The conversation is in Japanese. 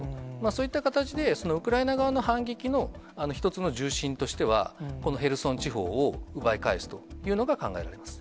そういった形で、ウクライナ側の反撃の一つの重心としては、このヘルソン地方を奪い返すというのが考えられます。